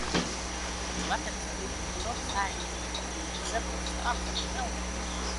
The weapons used on both sides are simply stalks of millet.